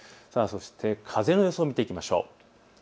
風の予想を見ていきましょう。